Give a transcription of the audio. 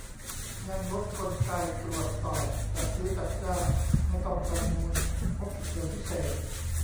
ยังลดกลไกตรวจสอบ จัดซื้อจัดจ้างไม่ต้องประมูล งบฉุกเฉินพิเศษ